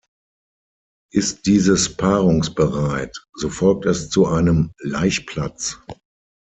Ist dieses paarungsbereit, so folgt es zu einem Laichplatz.